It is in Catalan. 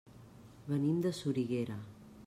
Venim de Soriguera.